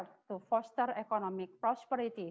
dan juga pemerintah jakarta